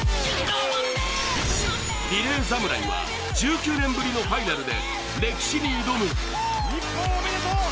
リレー侍は１９年ぶりのファイナルで歴史に挑む。